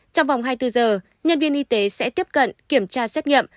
trong vòng hai mươi bốn giờ nhân viên y tế sẽ tiếp cận kiểm tra xét nghiệm